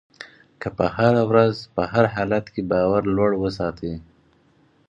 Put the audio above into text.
که په هره ورځ په هر حالت کې باور لوړ وساتئ.